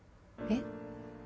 えっ？